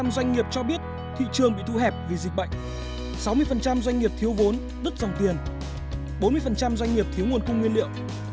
bảy mươi doanh nghiệp cho biết thị trường bị thu hẹp vì dịch bệnh sáu mươi doanh nghiệp thiếu vốn đứt dòng tiền bốn mươi doanh nghiệp thiếu nguồn cung nguyên liệu